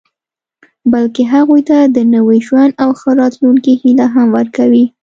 بلکې هغوی ته د نوي ژوند او ښه راتلونکي هیله هم ورکوي